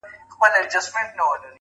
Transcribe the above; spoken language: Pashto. دا غرونه غرونه پـه واوښـتـل~